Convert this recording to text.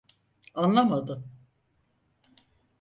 Anlamadı.